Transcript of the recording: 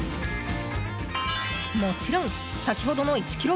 もちろん先ほどの１キロ